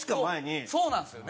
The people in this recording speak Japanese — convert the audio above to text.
森田：そうなんですよね。